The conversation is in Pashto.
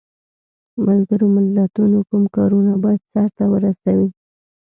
ملګرو ملتونو کوم کارونه باید سرته ورسوي؟